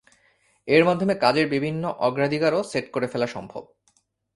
এর মাধ্যমে কাজের বিভিন্ন অগ্রাধিকার ও সেট করে ফেলা সম্ভব।